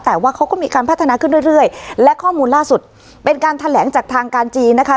แต่ว่าเขาก็มีการพัฒนาขึ้นเรื่อยเรื่อยและข้อมูลล่าสุดเป็นการแถลงจากทางการจีนนะคะ